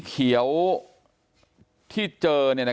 กลุ่มตัวเชียงใหม่